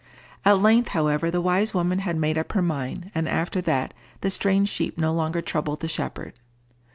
At length, however, the wise woman had made up her mind, and after that the strange sheep no longer troubled the shepherd.